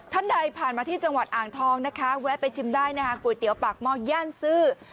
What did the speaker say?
ท่านใดผ่านมาที่จังหวัดอ่างทองนะคะแวะไปชิมได้นะคะก๋วยเตี๋ยวปากหม้อย่านซื้อ